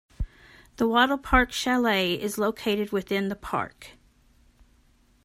The Wattle Park Chalet is located within the park.